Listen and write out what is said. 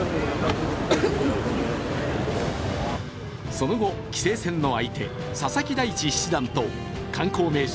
その後、棋聖戦の相手佐々木大地七段と観光名所